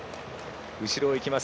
後ろをいきます